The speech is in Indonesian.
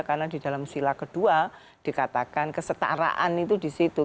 karena di dalam sila kedua dikatakan kesetaraan itu disitu